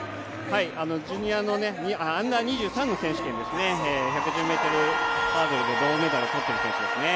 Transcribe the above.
ジュニアのＵ−１３の１１０ｍハードルで銅メダルを取っている選手ですね。